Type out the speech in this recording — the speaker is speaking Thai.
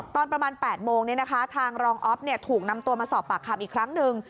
ตอนประมาณ๘โมงทางรองอ๊อฟถูกนำตัวมาสอบปากคำอีกครั้งหนึ่ง